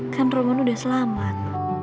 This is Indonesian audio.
kan roman udah selamat